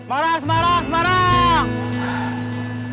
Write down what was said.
semarang semarang semarang